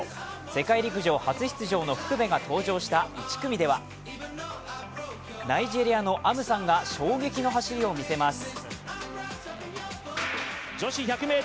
世界陸上初出場の福部が登場した１組ではナイジェリアのアムサンが衝撃の走りを見せます。